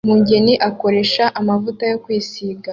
Umugeni akoresha amavuta yo kwisiga